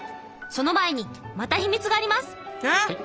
その前にまた秘密があります！